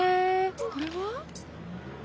これは？